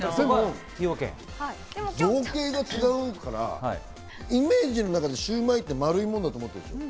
造形が違うから、イメージの中でシウマイって丸いものだと思ってる。